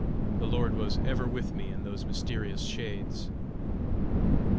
The Lord was ever with me in those mysterious shades."